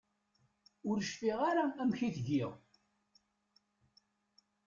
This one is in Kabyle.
Ur cfiɣ ara amek i t-giɣ.